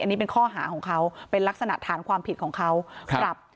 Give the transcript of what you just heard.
อันนี้เป็นข้อหาของเขาเป็นลักษณะฐานความผิดของเขาครับ